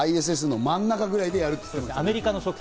ＩＳＳの真ん中ぐらいでやると言ってましたね。